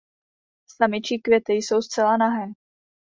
Samičí květy jsou zcela nahé.